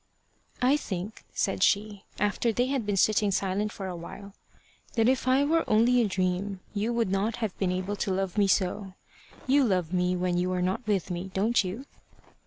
"I think," said she, after they had been sitting silent for a while, "that if I were only a dream, you would not have been able to love me so. You love me when you are not with me, don't you?"